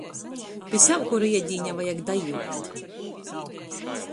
Pi sevkura iedīņa vajag dajiukt.